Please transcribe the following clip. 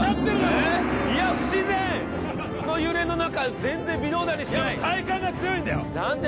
いやこの揺れの中全然微動だにしない体幹が強いんだよなんて